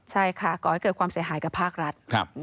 ใช่ค่ะก่อให้เกิดความเสียหายกับภาครัฐ